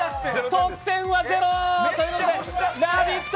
得点は０ということでラヴィット！